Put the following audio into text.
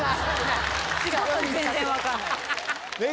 全然分かんないですね。